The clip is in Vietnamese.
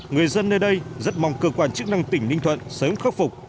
người dân nơi đây rất mong cơ quan chức năng tỉnh ninh thuận sớm khắc phục